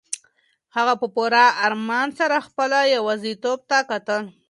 هغه په پوره ارمان سره خپله یوازیتوب ته کتل.